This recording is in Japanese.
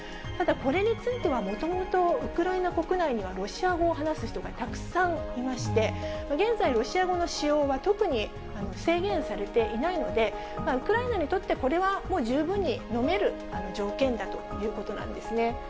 ただ、これについては、もともとウクライナ国内にはロシア語を話す人がたくさんいまして、現在、ロシア語の使用は特に制限されていないので、ウクライナにとって、これはもう十分にのめる条件だということなんですね。